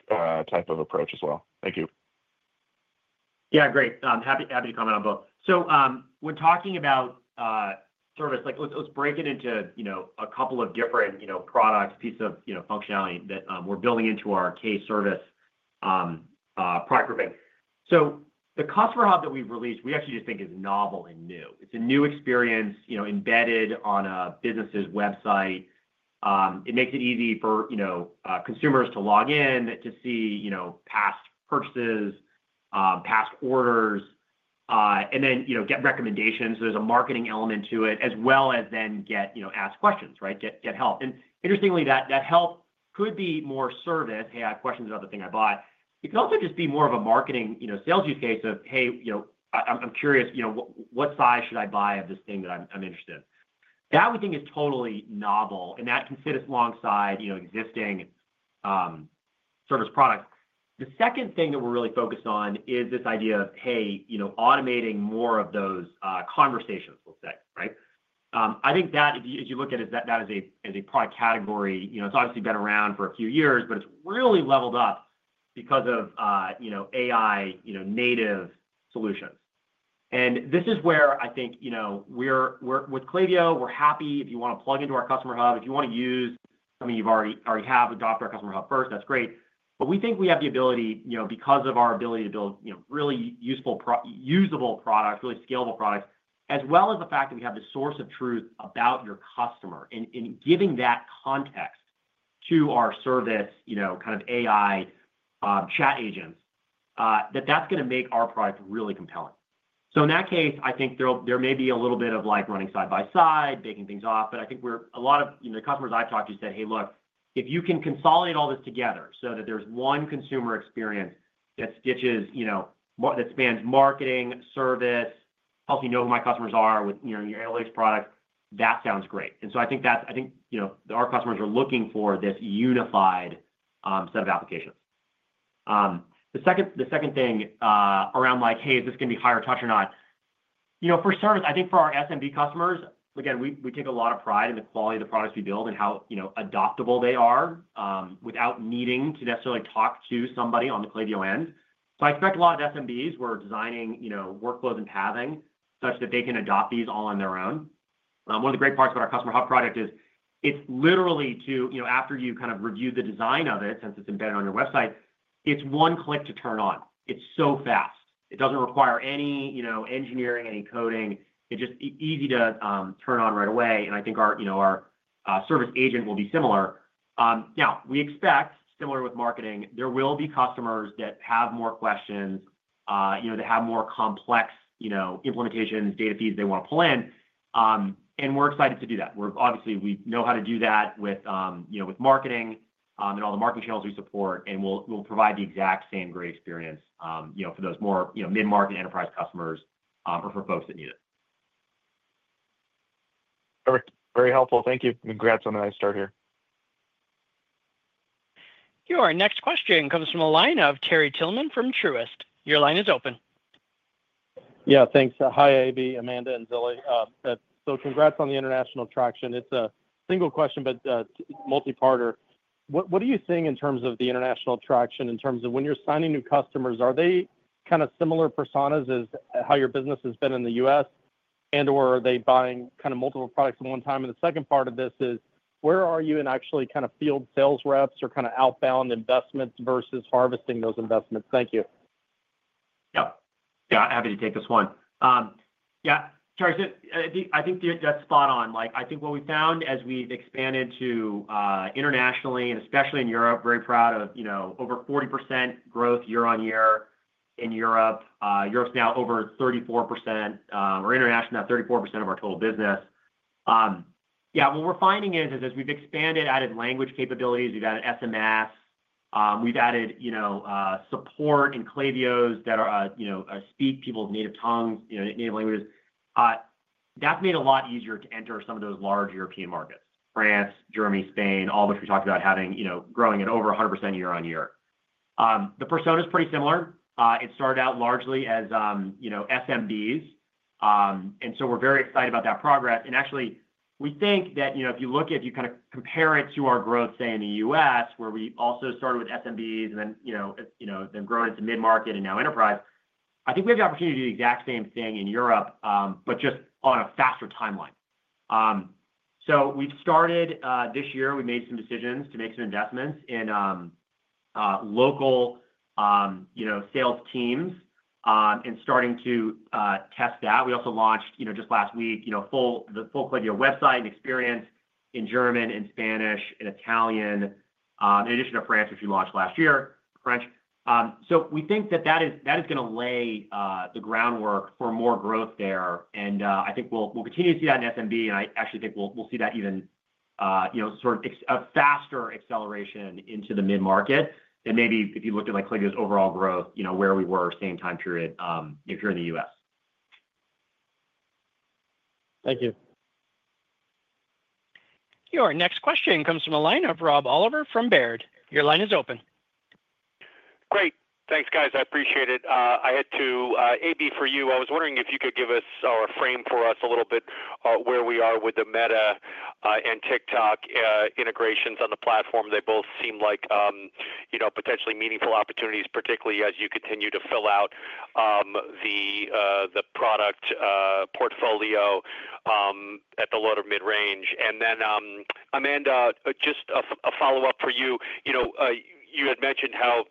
type of approach as well? Thank you. Yeah. Great. Happy to comment on both. We're talking about service. Let's break it into a couple of different products, pieces of functionality that we're building into our K-service product grouping. The Customer Hub that we've released, we actually just think is novel and new. It's a new experience embedded on a business's website. It makes it easy for consumers to log in to see past purchases, past orders, and then get recommendations. There's a marketing element to it, as well as then get asked questions, right? Get help. Interestingly, that help could be more service. Hey, I have questions about the thing I bought." It could also just be more of a marketing sales use case of, "Hey, I'm curious. What size should I buy of this thing that I'm interested in?" That we think is totally novel, and that can sit alongside existing service products. The second thing that we're really focused on is this idea of, "Hey, automating more of those conversations," let's say, right? I think that if you look at it as that as a product category, it's obviously been around for a few years, but it's really leveled up because of AI-native solutions. This is where I think with Klaviyo, we're happy if you want to plug into our Customer Hub. If you want to use something you already have, adopt our Customer Hub first, that's great. We think we have the ability, because of our ability to build really usable products, really scalable products, as well as the fact that we have the source of truth about your customer. Giving that context to our service kind of AI chat agents, that's going to make our product really compelling. In that case, I think there may be a little bit of running side by side, baking things off. A lot of the customers I've talked to said, "Hey, look, if you can consolidate all this together so that there's one consumer experience that spans marketing, service, obviously know who my customers are with your analytics products, that sounds great." I think our customers are looking for this unified set of applications. The second thing around, "Hey, is this going to be higher touch or not?" For service, I think for our SMB customers, again, we take a lot of pride in the quality of the products we build and how adoptable they are without needing to necessarily talk to somebody on the Klaviyo end. I expect a lot of SMBs who are designing workflows and pathing such that they can adopt these all on their own. One of the great parts about our Customer Hub project is it's literally to, after you kind of review the design of it, since it's embedded on your website, it's one click to turn on. It's so fast. It doesn't require any engineering, any coding. It's just easy to turn on right away. I think our service agent will be similar. Now, we expect, similar with marketing, there will be customers that have more questions, that have more complex implementations, data feeds they want to pull in. We're excited to do that. Obviously, we know how to do that with marketing and all the marketing channels we support. We'll provide the exact same great experience for those more mid-market enterprise customers or for folks that need it. Perfect. Very helpful. Thank you. Congrats on a nice start here. Your next question comes from a line of Terry Tillman from Truist. Your line is open. Yeah. Thanks. Hi, AB, Amanda, and Zilli. Congrats on the international traction. It's a single question, but multi-partner. What are you seeing in terms of the international traction in terms of when you're signing new customers? Are they kind of similar personas as how your business has been in the U.S.? Are they buying kind of multiple products at one time? The second part of this is, where are you in actually kind of field sales reps or kind of outbound investments versus harvesting those investments? Thank you. Yep. Yeah. Happy to take this one. Yeah. Terry, I think that's spot on. I think what we found as we've expanded internationally and especially in Europe, very proud of over 40% growth year on year in Europe. Europe is now over 34%. We are international now, 34% of our total business. Yeah. What we are finding is, as we've expanded, added language capabilities, we've added SMS, we've added support in Klaviyos that speak people's native tongues, native languages. That has made it a lot easier to enter some of those large European markets: France, Germany, Spain, all of which we talked about growing at over 100% year on year. The persona is pretty similar. It started out largely as SMBs. We are very excited about that progress. Actually, we think that if you look at, if you kind of compare it to our growth, say, in the U.S., where we also started with SMBs and then growing into mid-market and now enterprise, I think we have the opportunity to do the exact same thing in Europe, just on a faster timeline. We started this year. We made some decisions to make some investments in local sales teams and started to test that. We also launched just last week the full Klaviyo website and experience in German and Spanish and Italian, in addition to French, which we launched last year. We think that is going to lay the groundwork for more growth there. I think we will continue to see that in SMB. I actually think we'll see that even sort of a faster acceleration into the mid-market. Maybe if you looked at Klaviyo's overall growth, where we were same time period if you're in the U.S. Thank you. Your next question comes from a line of Rob Oliver from Baird. Your line is open. Great. Thanks, guys. I appreciate it. I had two, AB, for you. I was wondering if you could give us or frame for us a little bit where we are with the Meta and TikTok integrations on the platform. They both seem like potentially meaningful opportunities, particularly as you continue to fill out the product portfolio at the low to mid-range. Amanda, just a follow-up for you. You had mentioned how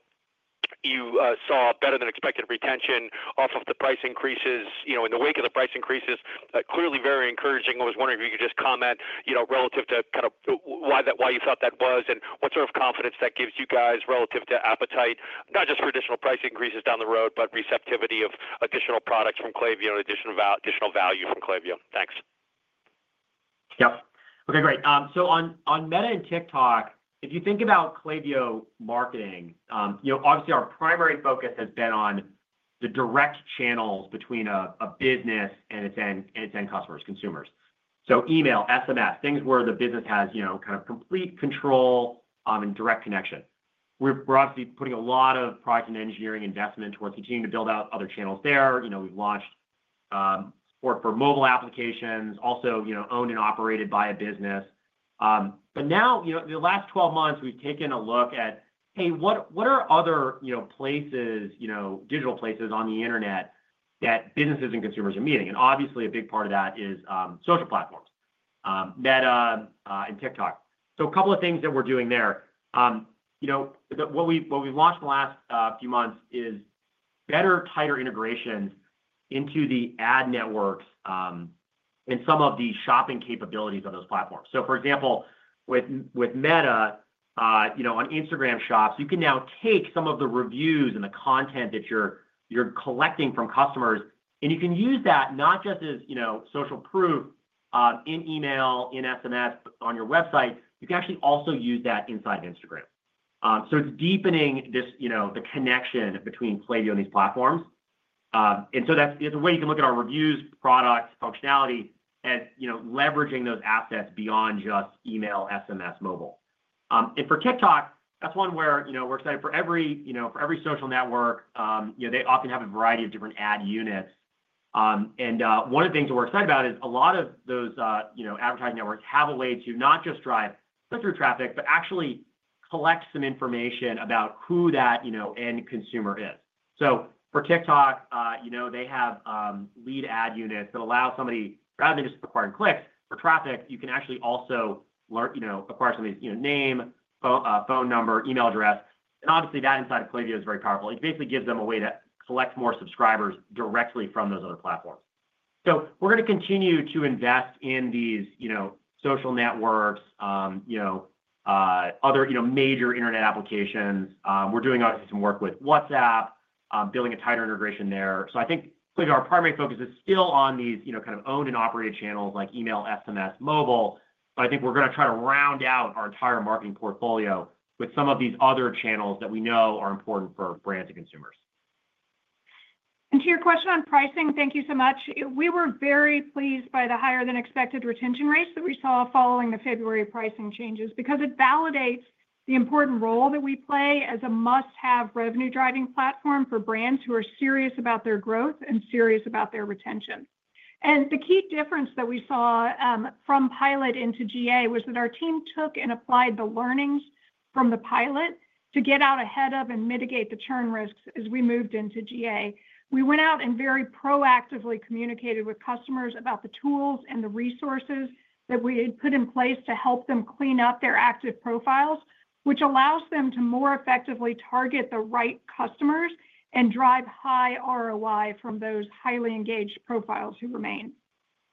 you saw better-than-expected retention off of the price increases in the wake of the price increases. Clearly very encouraging. I was wondering if you could just comment relative to kind of why you thought that was and what sort of confidence that gives you guys relative to appetite, not just for additional price increases down the road, but receptivity of additional products from Klaviyo and additional value from Klaviyo. Thanks. Yep. Okay. Great. On Meta and TikTok, if you think about Klaviyo Marketing, obviously our primary focus has been on the direct channels between a business and its end customers, consumers. Email, SMS, things where the business has kind of complete control and direct connection. We're obviously putting a lot of product and engineering investment towards continuing to build out other channels there. We've launched support for mobile applications, also owned and operated by a business. Now, in the last 12 months, we've taken a look at, "Hey, what are other places, digital places on the internet that businesses and consumers are meeting?" Obviously, a big part of that is social platforms, Meta and TikTok. A couple of things that we're doing there. What we've launched in the last few months is better, tighter integrations into the ad networks and some of the shopping capabilities on those platforms. For example, with Meta, on Instagram shops, you can now take some of the reviews and the content that you're collecting from customers, and you can use that not just as social proof in email, in SMS, on your website. You can actually also use that inside of Instagram. It's deepening the connection between Klaviyo and these platforms. That is a way you can look at our reviews, products, functionality, and leveraging those assets beyond just email, SMS, mobile. For TikTok, that is one where we are excited for every social network. They often have a variety of different ad units. One of the things we are excited about is a lot of those advertising networks have a way to not just drive click-through traffic, but actually collect some information about who that end consumer is. For TikTok, they have lead ad units that allow somebody, rather than just acquiring clicks for traffic, you can actually also acquire somebody's name, phone number, email address. Obviously, that inside of Klaviyo is very powerful. It basically gives them a way to collect more subscribers directly from those other platforms. We are going to continue to invest in these social networks, other major internet applications. We're doing, obviously, some work with WhatsApp, building a tighter integration there. I think our primary focus is still on these kind of owned and operated channels like email, SMS, mobile. I think we're going to try to round out our entire marketing portfolio with some of these other channels that we know are important for brands and consumers. To your question on pricing, thank you so much. We were very pleased by the higher-than-expected retention rates that we saw following the February pricing changes because it validates the important role that we play as a must-have revenue-driving platform for brands who are serious about their growth and serious about their retention. The key difference that we saw from pilot into GA was that our team took and applied the learnings from the pilot to get out ahead of and mitigate the churn risks as we moved into GA. We went out and very proactively communicated with customers about the tools and the resources that we had put in place to help them clean up their active profiles, which allows them to more effectively target the right customers and drive high ROI from those highly engaged profiles who remain.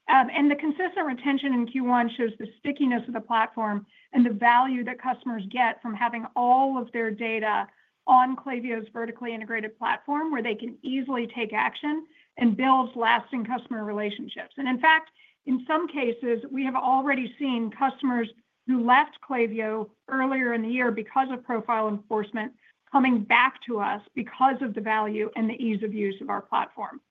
The consistent retention in Q1 shows the stickiness of the platform and the value that customers get from having all of their data on Klaviyo's vertically integrated platform, where they can easily take action and build lasting customer relationships. In fact, in some cases, we have already seen customers who left Klaviyo earlier in the year because of profile enforcement coming back to us because of the value and the ease of use of our platform.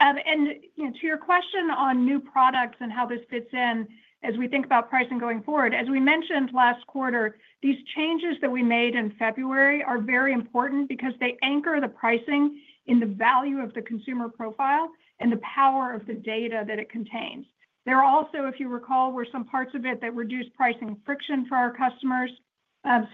To your question on new products and how this fits in as we think about pricing going forward, as we mentioned last quarter, these changes that we made in February are very important because they anchor the pricing in the value of the consumer profile and the power of the data that it contains. There are also, if you recall, were some parts of it that reduced pricing friction for our customers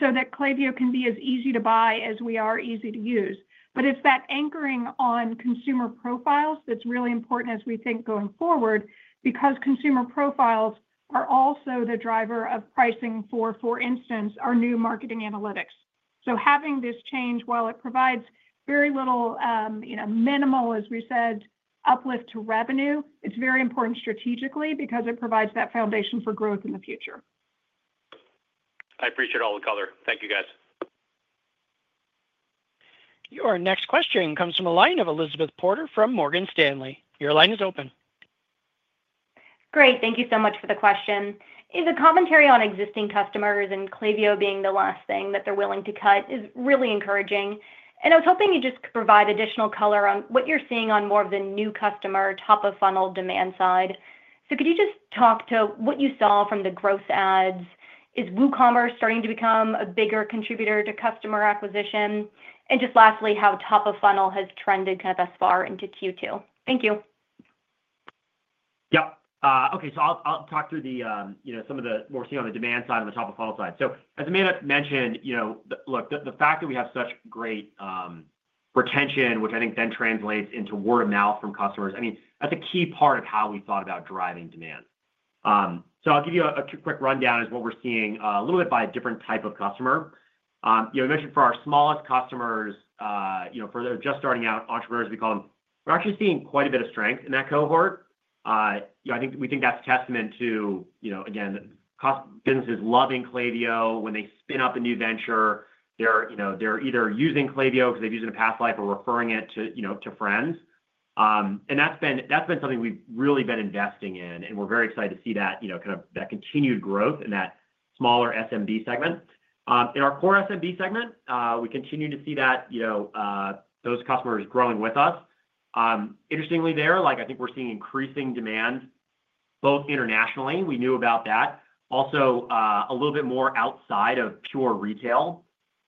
so that Klaviyo can be as easy to buy as we are easy to use. It's that anchoring on consumer profiles that's really important as we think going forward because consumer profiles are also the driver of pricing for, for instance, our new marketing analytics. Having this change, while it provides very little, minimal, as we said, uplift to revenue, is very important strategically because it provides that foundation for growth in the future. I appreciate all the color. Thank you, guys. Your next question comes from a line of Elizabeth Porter from Morgan Stanley. Your line is open. Great. Thank you so much for the question. The commentary on existing customers and Klaviyo being the last thing that they're willing to cut is really encouraging. I was hoping you just could provide additional color on what you're seeing on more of the new customer top-of-funnel demand side. Could you just talk to what you saw from the growth ads? Is WooCommerce starting to become a bigger contributor to customer acquisition? And just lastly, how top-of-funnel has trended kind of thus far into Q2? Thank you. Yep. Okay. I'll talk through some of what we're seeing on the demand side and the top-of-funnel side. As Amanda mentioned, look, the fact that we have such great retention, which I think then translates into word of mouth from customers, I mean, that's a key part of how we thought about driving demand. I'll give you a quick rundown as to what we're seeing a little bit by a different type of customer. You mentioned for our smallest customers, for the just-starting-out entrepreneurs, we call them, we're actually seeing quite a bit of strength in that cohort. I think we think that's a testament to, again, businesses loving Klaviyo. When they spin up a new venture, they're either using Klaviyo because they've used it in a past life or referring it to friends. That's been something we've really been investing in. We're very excited to see that kind of continued growth in that smaller SMB segment. In our core SMB segment, we continue to see those customers growing with us. Interestingly, there, I think we're seeing increasing demand, both internationally. We knew about that. Also, a little bit more outside of pure retail.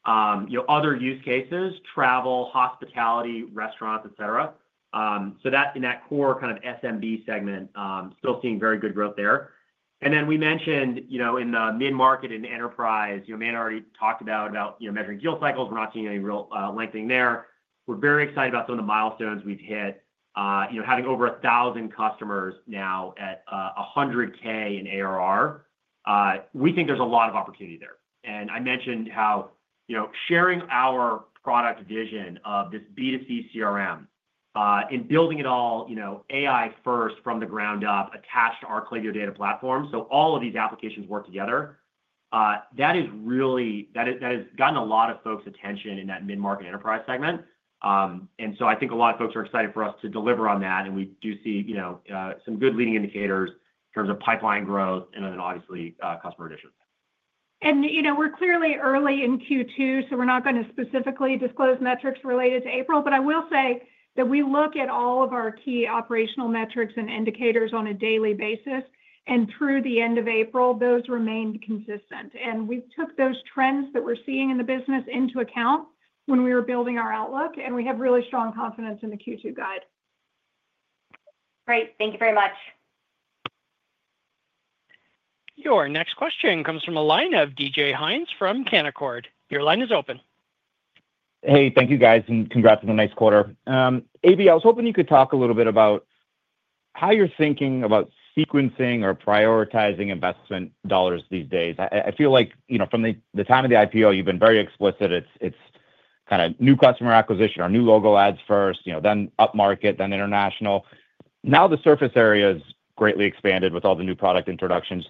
Other use cases: travel, hospitality, restaurants, etc. In that core kind of SMB segment, still seeing very good growth there. We mentioned in the mid-market and enterprise, Amanda already talked about measuring deal cycles. We're not seeing any real lengthening there. We're very excited about some of the milestones we've hit. Having over 1,000 customers now at $100,000 in ARR, we think there's a lot of opportunity there. I mentioned how sharing our product vision of this B2C CRM and building it all AI-first from the ground up attached to our Klaviyo Data Platform, so all of these applications work together, that has gotten a lot of folks' attention in that mid-market enterprise segment. I think a lot of folks are excited for us to deliver on that. We do see some good leading indicators in terms of pipeline growth and then, obviously, customer additions. We're clearly early in Q2, so we're not going to specifically disclose metrics related to April. I will say that we look at all of our key operational metrics and indicators on a daily basis. Through the end of April, those remained consistent. We took those trends that we're seeing in the business into account when we were building our outlook. We have really strong confidence in the Q2 guide. Great. Thank you very much. Your next question comes from a line of DJ Hines from Canaccord. Your line is open. Hey, thank you, guys. Congrats on the next quarter. AB, I was hoping you could talk a little bit about how you're thinking about sequencing or prioritizing investment dollars these days. I feel like from the time of the IPO, you've been very explicit. It's kind of new customer acquisition or new logo ads first, then up-market, then international. Now the surface area has greatly expanded with all the new product introductions.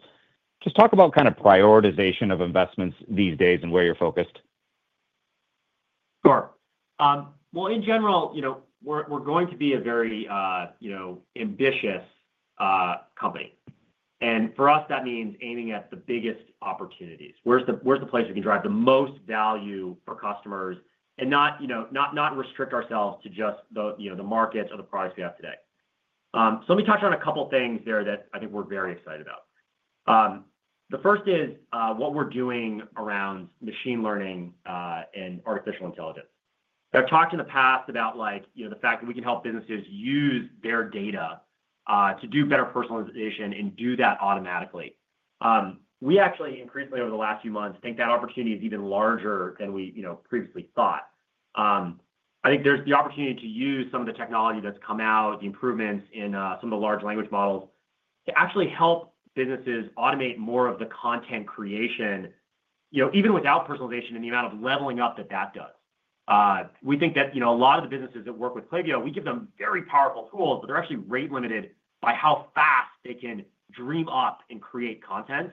Just talk about kind of prioritization of investments these days and where you're focused. Sure. In general, we're going to be a very ambitious company. For us, that means aiming at the biggest opportunities. Where is the place we can drive the most value for customers and not restrict ourselves to just the markets or the products we have today? Let me touch on a couple of things there that I think we are very excited about. The first is what we are doing around machine learning and artificial intelligence. I have talked in the past about the fact that we can help businesses use their data to do better personalization and do that automatically. We actually, increasingly over the last few months, think that opportunity is even larger than we previously thought. I think there's the opportunity to use some of the technology that's come out, the improvements in some of the large language models to actually help businesses automate more of the content creation, even without personalization, and the amount of leveling up that that does. We think that a lot of the businesses that work with Klaviyo, we give them very powerful tools, but they're actually rate-limited by how fast they can dream up and create content.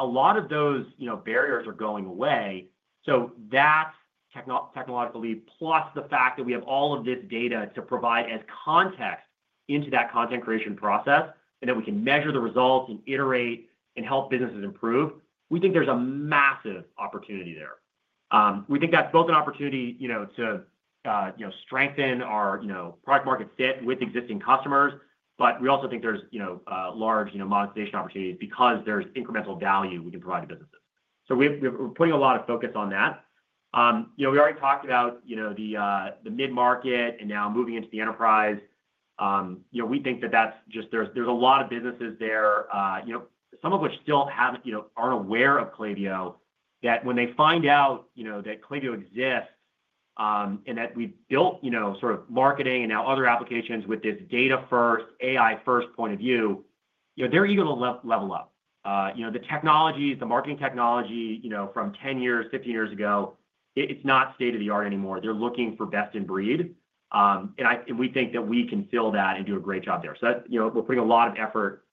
A lot of those barriers are going away. That technological leap, plus the fact that we have all of this data to provide as context into that content creation process, and that we can measure the results and iterate and help businesses improve, we think there's a massive opportunity there. We think that's both an opportunity to strengthen our product-market fit with existing customers, but we also think there's large monetization opportunities because there's incremental value we can provide to businesses. We are putting a lot of focus on that. We already talked about the mid-market and now moving into the enterprise. We think that there's a lot of businesses there, some of which still aren't aware of Klaviyo, that when they find out that Klaviyo exists and that we've built sort of marketing and now other applications with this data-first, AI-first point of view, they're eager to level up. The technologies, the marketing technology from 10 years, 15 years ago, it's not state of the art anymore. They are looking for best-in-breed. We think that we can fill that and do a great job there. We are putting a lot of effort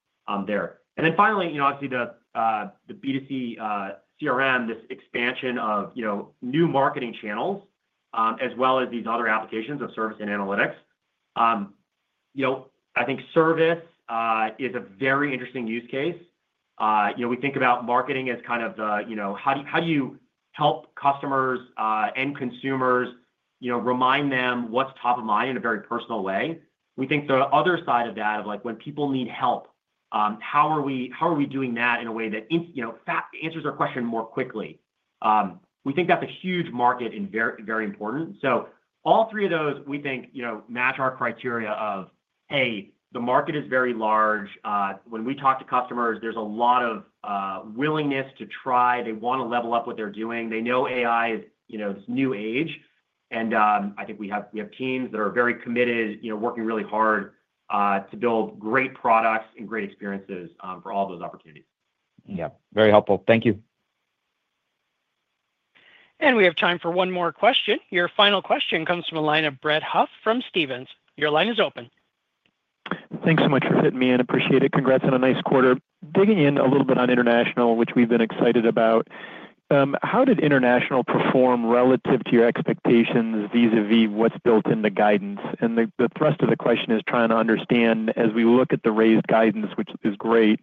there. Finally, obviously, the B2C CRM, this expansion of new marketing channels as well as these other applications of service and analytics. I think service is a very interesting use case. We think about marketing as kind of the how do you help customers and consumers, remind them what's top of mind in a very personal way. We think the other side of that of when people need help, how are we doing that in a way that answers our question more quickly? We think that's a huge market and very important. All three of those, we think, match our criteria of, hey, the market is very large. When we talk to customers, there's a lot of willingness to try. They want to level up what they're doing. They know AI is this new age. I think we have teams that are very committed, working really hard to build great products and great experiences for all those opportunities. Yep. Very helpful. Thank you. We have time for one more question. Your final question comes from a line of Brett Huff from Stephens. Your line is open. Thanks so much for fitting me in. Appreciate it. Congrats on a nice quarter. Digging in a little bit on international, which we've been excited about. How did international perform relative to your expectations vis-à-vis what's built in the guidance? The thrust of the question is trying to understand, as we look at the raised guidance, which is great,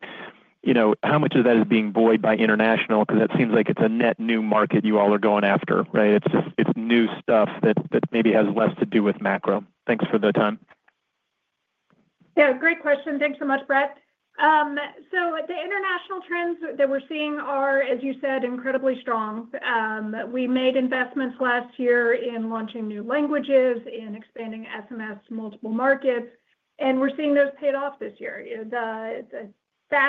how much of that is being buoyed by international because that seems like it's a net new market you all are going after, right? It's new stuff that maybe has less to do with macro. Thanks for the time. Yeah. Great question. Thanks so much, Brett. The international trends that we're seeing are, as you said, incredibly strong. We made investments last year in launching new languages, in expanding SMS to multiple markets. We're seeing those paid off this year. The fact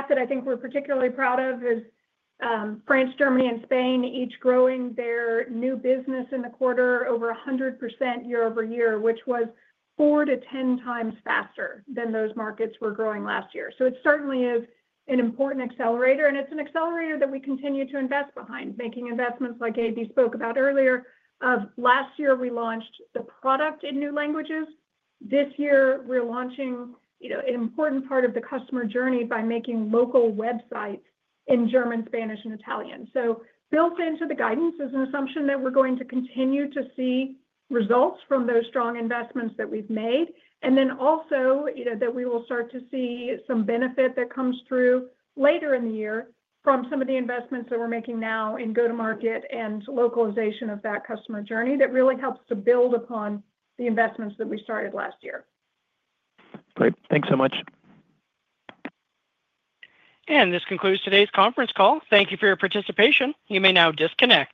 that I think we're particularly proud of is France, Germany, and Spain each growing their new business in the quarter over 100% year over year, which was 4-10 times faster than those markets were growing last year. It certainly is an important accelerator. It's an accelerator that we continue to invest behind, making investments like AB spoke about earlier. Last year, we launched the product in new languages. This year, we're launching an important part of the customer journey by making local websites in German, Spanish, and Italian. Built into the guidance is an assumption that we're going to continue to see results from those strong investments that we've made. There is also an assumption that we will start to see some benefit that comes through later in the year from some of the investments that we're making now in go-to-market and localization of that customer journey that really helps to build upon the investments that we started last year. Great. Thanks so much. This concludes today's conference call. Thank you for your participation. You may now disconnect.